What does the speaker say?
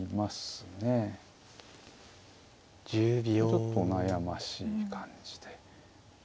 ちょっと悩ましい感じで。